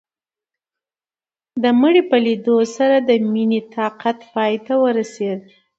د مړي په ليدو سره د مينې طاقت پاى ته ورسېد.